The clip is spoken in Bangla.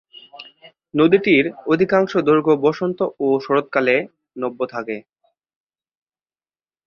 নদীটির অধিকাংশ দৈর্ঘ্য বসন্ত ও শরৎকালে নাব্য থাকে।